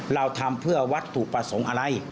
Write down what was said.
เราทำเพื่อวัตถุประสงค์อะไร